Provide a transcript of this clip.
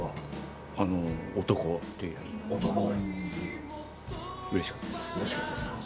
漢っていう、うれしかったです。